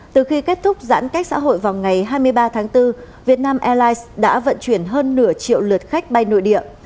từ khi kết thúc giãn cách xã hội vào ngày hai mươi ba tháng bốn việt nam airlines đã vận chuyển hơn nửa triệu lượt khách bay nội địa